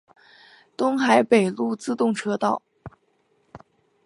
东海北陆自动车道。